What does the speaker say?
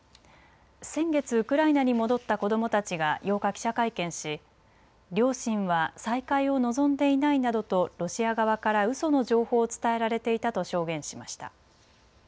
先月、ウクライナに戻った子どもたちが８日、記者会見し両親は再会を望んでいないなどとロシア側からうその情報を伝えられていたと証言しました。